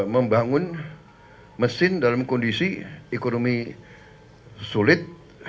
membangun mesin dalam kondisi ekonomi sulit